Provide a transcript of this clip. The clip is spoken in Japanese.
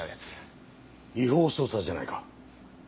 違法捜査じゃないか。